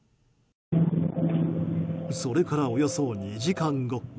それから、およそ２時間後。